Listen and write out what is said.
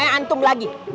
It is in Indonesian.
eh antum lagi